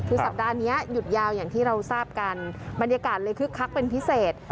คือสัปดาห์นี้หยุดยาวอย่างที่เราทราบกันบรรยากาศเลยคึกคักเป็นพิเศษ